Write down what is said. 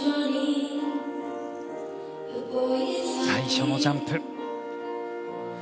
最初のジャンプ。